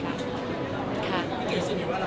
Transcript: เข้าใจแบบอะไร